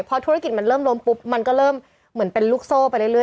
พอธุรกิจมันเริ่มล้มปุ๊บมันก็เริ่มเหมือนเป็นลูกโซ่ไปเรื่อย